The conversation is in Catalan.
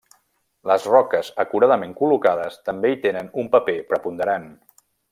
Les roques acuradament col·locades també hi tenen un paper preponderant.